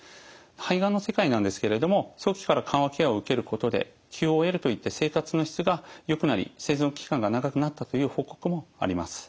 肺がんの世界なんですけれども初期から緩和ケアを受けることでＱＯＬといった生活の質がよくなり生存期間が長くなったという報告もあります。